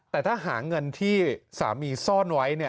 แต่ถ้าหาเงินที่สามีซ่อนไว้